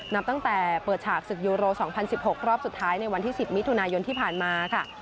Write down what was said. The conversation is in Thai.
นับตั้งแต่เปิดฉากศึกยูโร๒๐๑๖รอบสุดท้ายในวันที่๑๐มิถุนายนที่ผ่านมาค่ะ